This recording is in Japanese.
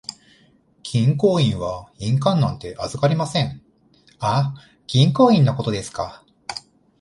銀行員は印鑑なんて預かりません。あ、銀行印のことですか。